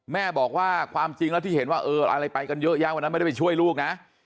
แม่บอกว่าความจริงแล้วที่เห็นว่าเอออะไรไปกันเยอะแยะวันนั้นไม่ได้ไปช่วยลูกนะ